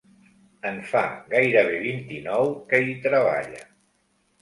En fa gairebé vint-i-nou que hi treballa.